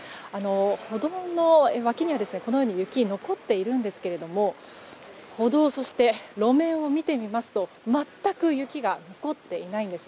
歩道の脇には、このように雪が残っているんですが歩道、そして路面を見てみますと全く雪が残っていないんです。